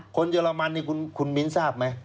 เยอรมันนี่คุณมิ้นทราบไหม